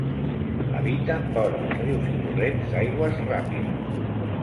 Habiten vora els rius i torrents d'aigües ràpides.